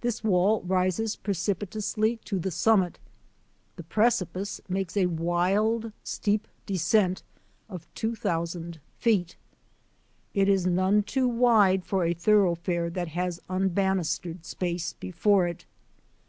This wall rises precipitously to the summit; the pre cipice makes a wild, steep descent of two thousand feet. It is none too wide for a thoroughfare that has unbanistered space before it.